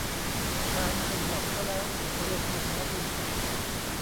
กลายมาเป็นบล็อกซะแล้ว~ เรื่องลูกค้าวีนแตก